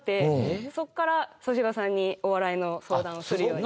そこから粗品さんにお笑いの相談をするように。